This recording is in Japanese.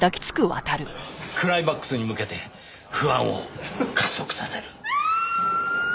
クライマックスに向けて不安を加速させる。